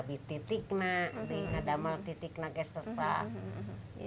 karena saya harus bekerja saya harus bekerja